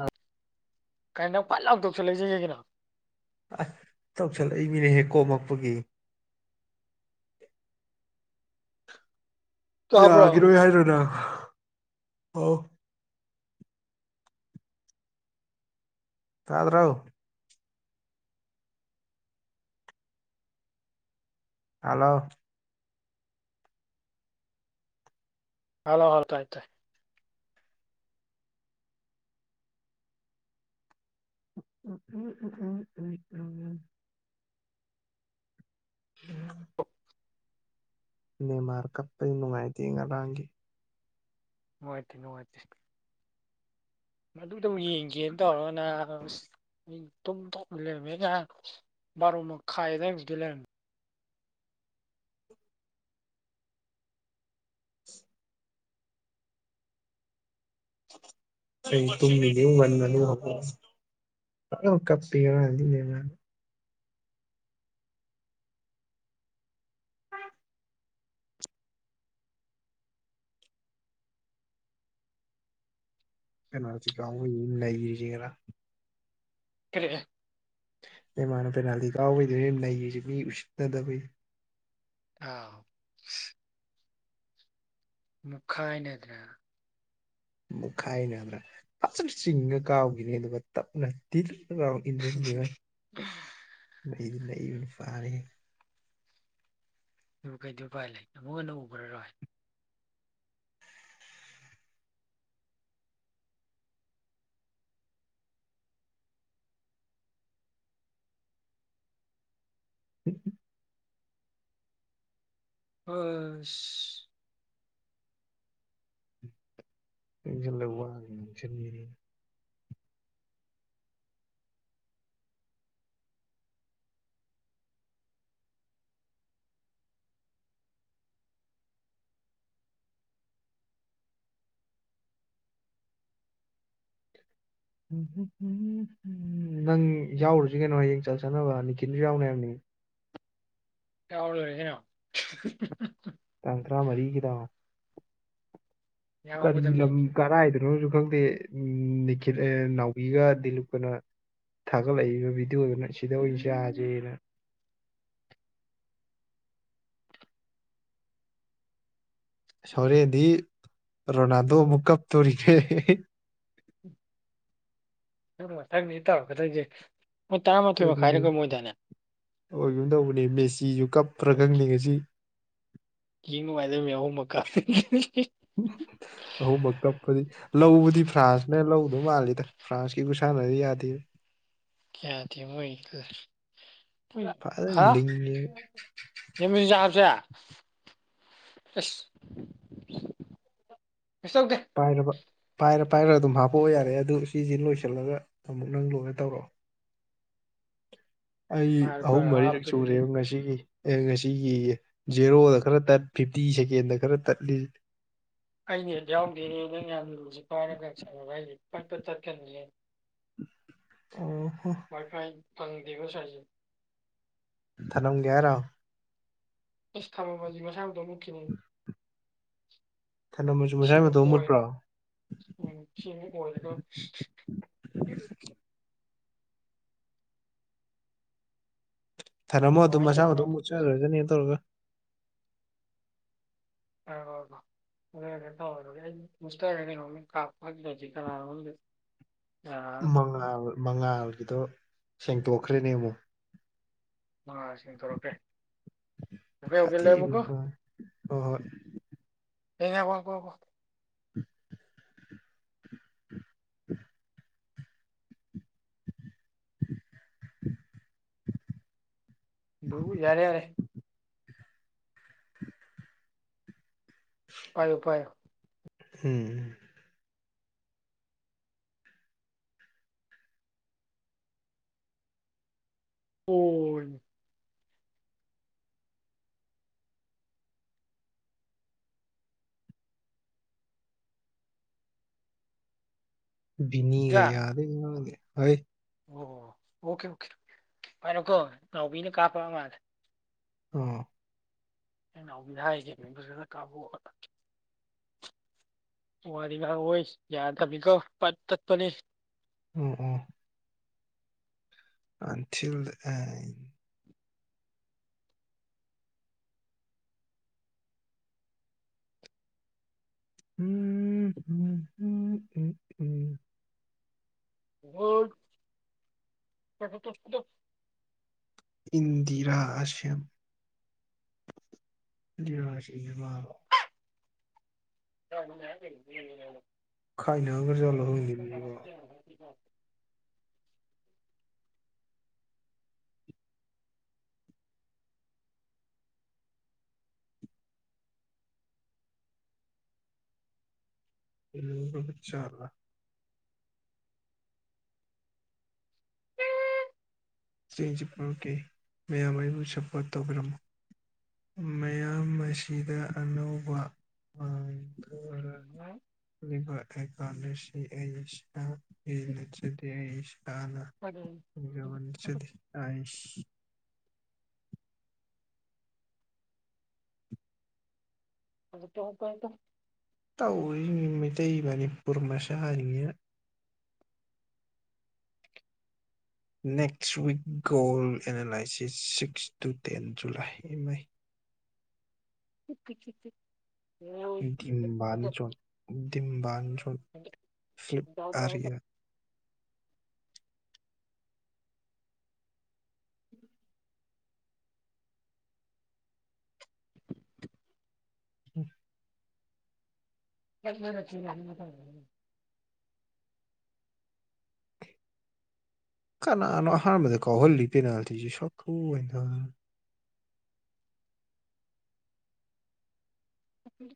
ꯑ ꯀꯔꯤ ꯅꯪ ꯐꯠ ꯂꯥꯎꯇꯣꯛꯁꯨ ꯂꯩꯖꯒꯦꯒꯤꯅ ꯑꯁ ꯇꯧꯁꯜꯂꯛꯏ ꯃꯤꯅ ꯍꯦꯛ ꯀꯣꯝꯃꯛꯃꯛꯄꯒꯤ [unintelligible] ꯇꯥꯕ꯭ꯔꯣ ꯌꯥꯈꯤꯔꯣꯏ ꯍꯥꯏꯔ꯭ꯔꯅ ꯑꯣ ꯇꯥꯗ꯭ꯔꯎ ꯍꯂꯣ ꯍꯂ ꯍꯥꯎ ꯇꯥꯏ ꯇꯥꯏ ꯎ ꯎꯝ ꯎ ꯎꯝ ꯎꯝ ꯃꯃꯔ ꯀꯄ ꯣꯡꯉꯥꯏꯇ ꯉ ꯂꯒꯤ ꯋꯥꯇ ꯅꯨꯅꯨꯡ ꯋꯥꯇꯤꯁ ꯃꯗ ꯑꯃꯨꯛ ꯌꯦꯡꯒꯦꯅ ꯇꯧꯔꯒꯅ ꯇꯨꯝ ꯇꯣꯛ ꯂꯩꯔꯝꯃꯦ ꯉ ꯔꯣꯃ ꯈꯥꯏꯥꯏꯕꯤꯗ ꯂꯩꯦ ꯀ ꯇꯨ ꯃꯤꯅꯤ ꯃꯟ ꯃꯅꯤ ꯀꯞ ꯄꯤꯔꯅꯤ ꯂꯩꯅ ꯀꯩꯅꯔꯁꯤ ꯀꯥ ꯂꯩꯔꯤꯁꯤꯅꯥ ꯀꯔꯤꯦ ꯑꯦꯃꯥꯅ ꯄꯦꯅꯥꯜꯇꯤ ꯀꯥꯎꯕꯩꯗꯣꯏꯅꯦ ꯂꯩꯔꯤꯁꯦ ꯃꯤ ꯎꯁꯤꯠꯅꯗꯕꯩ ꯑꯥ ꯃꯨꯈꯥꯏꯅꯗ꯭ꯔ ꯃꯨꯛꯈꯥꯏꯅꯗ꯭ꯔ ꯐꯖꯅ ꯆꯤꯡꯉ ꯀꯥꯎꯈꯤꯅꯤ ꯑꯗꯨꯒ ꯇꯞꯅ ꯇꯤꯜꯂꯤ ꯏꯟꯗ꯭ꯔꯕ ꯂꯩꯗꯤ ꯂꯩꯕ ꯐꯥꯔꯦ ꯑꯗꯨ ꯀꯩꯗ ꯎꯚꯥꯏ ꯂꯩ ꯑꯃꯨꯛ ꯍꯟꯅ ꯎꯈ꯭ꯔꯔꯣꯏ ꯎꯝ ꯑꯣꯏ ꯏꯁꯜꯂꯕ ꯉꯁꯤ ꯎ ꯅꯪ ꯌꯥꯎꯔꯨꯁꯤ ꯀꯩꯅꯣ ꯍꯌꯦꯡ ꯆꯠ ꯆꯠꯅꯕ ꯅꯤꯀꯤꯜꯁꯨ ꯌꯥꯎꯅ ꯍꯥꯏꯅꯤ ꯌꯥꯕ ꯑꯣꯏꯅꯣ ꯇꯥꯡ ꯇꯔꯥꯃꯔꯤꯒꯤꯗꯣ ꯀꯔꯤ ꯂꯝ ꯌꯥꯎꯒꯗꯝꯅꯦꯃꯤ ꯀꯔ ꯍꯥꯏꯗꯣ ꯈꯪꯗꯦ ꯎ ꯅꯤꯈꯤꯜ ꯅꯥꯎꯕꯤꯒ ꯗꯤꯂꯞꯀꯅ ꯊꯥꯒꯠꯂꯛꯏꯕ ꯚꯗꯤꯑꯣꯗꯨꯅ ꯁꯤꯗ ꯎꯝ ꯑꯣꯏꯁꯦꯁꯦꯅ ꯁꯣꯔꯦꯗꯤ ꯔꯣꯅꯥꯜꯗꯣ ꯑꯃꯨꯛ ꯀꯞꯇꯣꯔꯤꯈꯦ ꯎ ꯃꯊꯪꯅꯤ ꯏꯇꯥꯎ ꯈꯛꯇꯪꯁꯦ ꯃꯣꯏ ꯇꯔꯥꯃꯥꯊꯣꯏ ꯃꯈꯥꯏꯔꯦꯀꯣ ꯃꯣꯏꯗꯅꯦ ꯑꯣꯏꯒꯨꯝꯝ ꯇꯧꯕꯅꯦ ꯃꯦꯆꯤꯁꯨ ꯀꯞꯄ꯭ꯔꯥ ꯈꯪꯅꯤ ꯉꯁꯤ ꯌꯦ ꯅꯨꯡꯉꯥꯏꯗꯕꯃꯤ ꯑꯍꯨꯝꯃꯛꯀꯥ ꯑꯍꯧꯕ ꯀꯞꯄꯗꯤ ꯂꯧꯕꯗꯤ ꯐ꯭ꯔꯥꯟꯁꯅꯦ ꯂꯧ ꯑꯗꯨ ꯃꯥꯗ ꯐ꯭ꯔꯥꯟꯁꯀꯤ ꯈꯨꯨꯁꯅꯔꯤ ꯌꯥꯗ ꯀꯌꯥ ꯊꯃꯣꯏ ꯀ ꯐꯖꯅ ꯍꯥ ꯂꯤꯡꯉꯦ ꯌꯦꯃꯤꯖꯞꯁꯦ ꯑꯁ ꯇꯧꯗꯦ ꯄꯥꯏꯔꯕ ꯄꯥꯏꯔ ꯄꯥꯏꯔ ꯑꯗꯨꯝ ꯍꯥꯞꯄꯛꯑꯣ ꯌꯥꯔꯦ ꯑꯗꯨ ꯁꯤꯁꯤꯦ ꯂꯣꯏꯁꯤꯜꯂꯒ ꯑꯃꯨꯛ ꯅꯪ ꯂꯣꯏꯅ ꯇꯧꯔꯛꯑꯣ ꯑꯩ ꯑꯍꯨꯝ ꯍꯥꯏꯔ ꯃꯔꯤꯔꯛ ꯍꯥꯞꯄꯗꯒꯤ ꯆꯨꯔꯦꯕ ꯉꯁꯤꯒꯤ ꯑꯦ ꯉꯁꯤꯒꯤ ꯖꯦꯔꯣꯗ ꯈꯔꯠ ꯐꯤꯞꯇꯤ ꯁꯦꯀꯦꯟꯗ ꯈꯔ ꯇꯠꯂꯤ ꯑꯩꯅꯦ ꯌꯥꯎꯗꯦꯅꯦꯦ ꯅꯪ ꯌꯥꯝ ꯂꯨꯁꯤ ꯄꯥꯏꯔꯒꯁꯪꯉꯒ ꯑꯩꯗꯤ ꯄꯠꯄ ꯇꯠꯀꯅꯤꯅꯦ ꯑꯣ ꯋꯥꯏ ꯐꯥꯏ ꯇꯪ ꯕꯁ ꯍꯥꯏꯁꯤ ꯊꯔꯝꯒꯦꯔꯥ ꯑ ꯊꯃ ꯃꯥ ꯃ ꯁꯗꯣ ꯃ ꯃꯁꯥꯏꯕ ꯑꯣꯏ ꯎꯃꯔ꯭ꯔꯣ ꯎꯝ ꯁꯤꯣꯗꯣ ꯊꯔꯝꯣ ꯑꯗꯨꯝ ꯀꯃꯥꯏꯅ ꯃꯁꯥ ꯇꯧꯕꯅꯣ ꯃꯊꯣꯝ ꯃꯠꯆꯔꯣꯏꯖꯅꯦꯅ ꯇꯧꯔꯒ ꯑ ꯁꯇꯔꯅ ꯀꯥꯁꯤ ꯀ ꯍꯗ ꯃꯉꯥꯜ ꯃꯉꯥꯜꯒꯤꯗꯣ ꯁꯦꯡꯇꯣꯛꯈ꯭ꯔꯦꯅꯦ ꯑꯃꯨꯛ ꯑ ꯁꯦꯡꯊꯣꯔꯛꯇ꯭ꯔꯦ ꯀ ꯁꯥꯊꯤꯕꯅꯤ ꯌꯧꯒꯦꯂꯕꯀꯣ ꯍꯣꯏ ꯍꯣꯏ ꯍꯉ ꯀꯣ ꯀꯣ ꯀꯣ ꯎ [unintelligible] [unintelligible] ꯌꯥꯔꯦ ꯌꯥꯔꯦ ꯄꯥꯏꯣ ꯄꯥꯏ ꯎꯝ ꯍ ꯕꯤꯅꯤꯒ ꯏꯆꯥ ꯌꯥꯗꯦ ꯌꯥꯒꯦ ꯍꯣꯏ ꯑꯣ ꯑꯣꯀꯦ ꯑꯣꯀꯦ ꯀꯅꯣꯀꯣ ꯉꯅꯥꯎꯕꯤꯅ ꯀꯥꯞꯄ ꯃꯥꯜꯂꯦ ꯑ ꯑ ꯅꯥꯎꯕꯤꯗ ꯍꯥꯏꯒꯦ ꯃꯤꯕꯨꯁꯨ ꯈ ꯀꯥꯕꯦ ꯋꯥꯔꯤ ꯉ ꯑꯣꯏ ꯌꯥꯗꯕꯤꯀꯣ ꯄꯠ ꯇꯠꯄꯅꯦ ꯎꯝ ꯎꯝ ꯑꯟꯊꯤꯜ ꯗ ꯑꯦꯟ ꯎꯝ ꯎꯝ ꯎꯝ ꯎꯝ ꯎꯝ ꯀꯗ ꯏꯟꯗꯤꯔꯥ ꯑꯁ꯭ꯝ ꯁꯤ ꯍ ꯈꯥꯏꯅꯒꯔꯖꯂꯣ ꯍꯅꯤꯕꯤꯕꯣ ꯆꯔ ꯁꯁꯤꯄ ꯀꯦ ꯃꯌꯥꯝ ꯑꯩꯕꯨ ꯁꯞꯄꯣꯠ ꯇꯧꯕꯤꯔꯝꯃꯨ ꯃꯌꯥꯝ ꯑꯁꯤꯗ ꯑꯅꯧꯕ [inaudible] ꯂꯩꯕ ꯑꯦꯀꯥꯎꯗꯁꯤ ꯑꯩꯁ ꯅꯆꯗꯤ ꯑꯩ ꯁꯅ ꯖꯃꯟꯁꯤꯗꯤꯥꯏ ꯑꯗ ꯇꯣ ꯀꯗ ꯇꯧꯔꯤꯅꯤ ꯃꯩꯇꯩ ꯃꯅꯤꯄꯨꯔ ꯃꯆꯥꯔꯤꯉ next week goal analysis six to ten July ꯑꯥꯏ ꯀꯠꯇ ꯀꯈꯤꯤꯇ ꯝꯕꯥꯥꯟꯖ ꯗꯤꯝꯕꯥꯥꯟꯖ ꯐꯂꯤꯞ ꯑꯔꯌꯥ ꯎꯝ [inaudible] ꯎꯝ ꯆꯠ ꯔꯃ ꯀꯅꯥꯅ ꯍꯥꯔ ꯃ ꯀꯣ ꯍꯣꯜꯜꯂꯤ ꯄꯦꯅ ꯊꯦ ꯁ ꯎ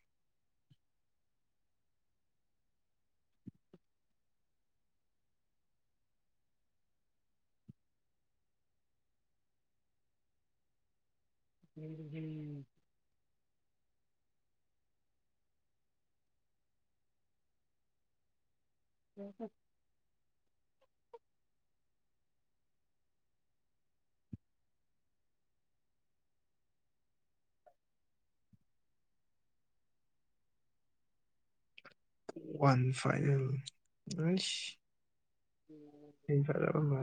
ꯎꯝꯝ ꯎꯝ ꯍꯝ ꯋꯥꯟ ꯐꯥꯏꯜ ꯍ ꯆꯔꯕ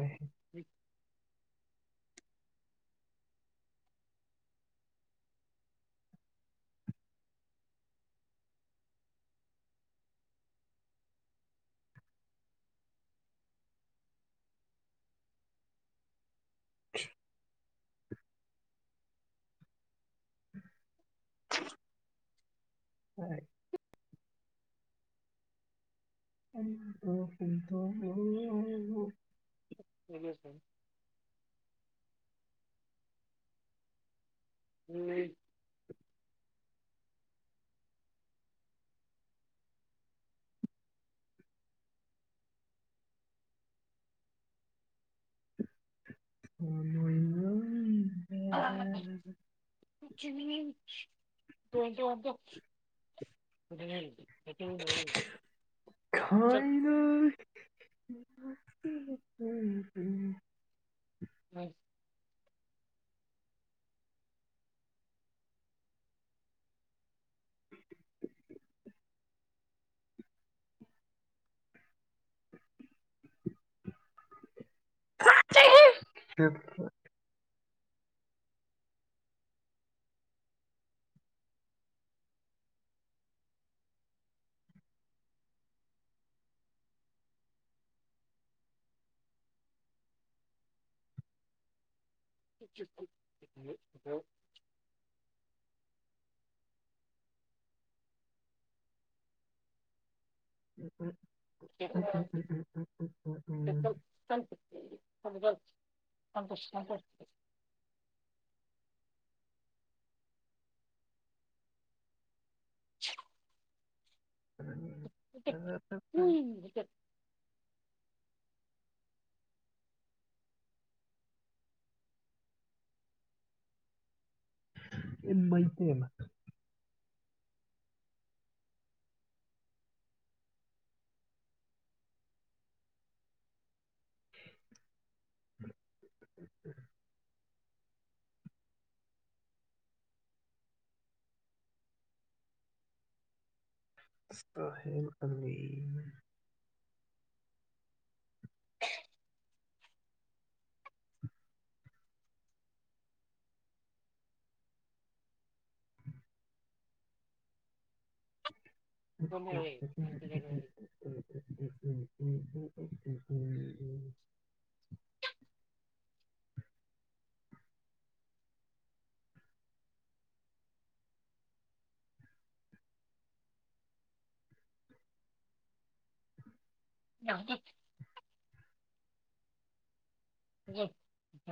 [inaudible] ꯍ ꯑꯩ ꯀꯗ ꯍꯥꯏꯕ ꯁꯦ ꯎꯝ ꯍ ꯏ ꯑ ꯇꯇ ꯑꯣꯇ ꯈꯥꯏꯅ ꯎꯝꯝ ꯎꯝ [inaudible] [inaudible] [inaudible] ꯎꯝ ꯎꯝ [unintelligible] [unintelligible] [unintelligible] ꯁꯦ ꯆꯂꯣ ꯎꯝ ꯍ ꯑꯦ ꯃꯩꯇꯩꯅ ꯁꯁꯇꯥꯍꯜ ꯑꯂꯤ [inaudible] [inaudible] ꯎꯝ ꯎ ꯎ ꯌꯥꯗꯤ ꯎ